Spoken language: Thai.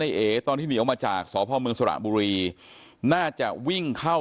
เอ๋ตอนที่หนีออกมาจากสพเมืองสระบุรีน่าจะวิ่งเข้า